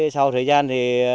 sau thời gian thì